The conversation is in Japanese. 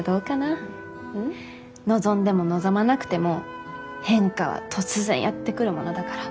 望んでも望まなくても変化は突然やって来るものだから。